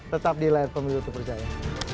tetap di line pemilu tupu rizal ya